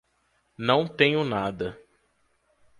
Não tenho nada.